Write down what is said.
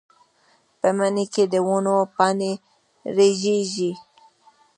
په مني کې د ونو پاڼې رژېږي.